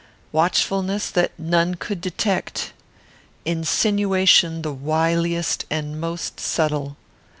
Watchfulness that none could detect. Insinuation the wiliest and most subtle.